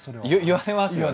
言われますよね？